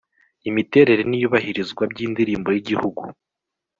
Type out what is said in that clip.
imiterere n iyubahirizwa by indirimbo y igihugu